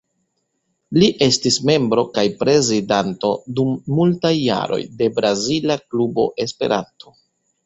Li estis membro kaj prezidanto, dum multaj jaroj, de Brazila Klubo Esperanto.